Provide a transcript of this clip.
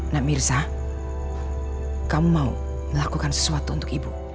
nak mirsa kamu mau melakukan sesuatu untuk ibu